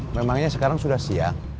memangnya sekarang sudah siang